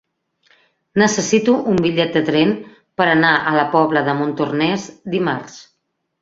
Necessito un bitllet de tren per anar a la Pobla de Montornès dimarts.